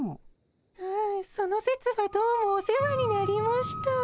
ああそのせつはどうもお世話になりました。